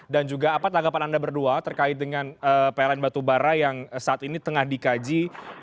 dan juga apa tanggapan anda berdua terkait dengan pln batu bara yang saat ini tengah dikaji